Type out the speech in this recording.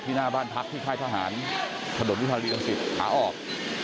ที่หน้าบ้านพรรคที่คล้ายทหารขนสนุกวิทลานีศิษย์หาออก